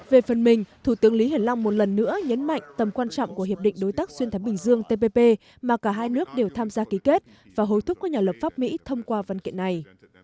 về phần mình thủ tướng lý hiển long một lần nữa nhấn mạnh tầm quan trọng của hiệp định đối tác xuyên thái bình dương tpp mà cả hai nước đều tham gia ký kết và hối thúc các nhà lập pháp mỹ thông qua văn kiện này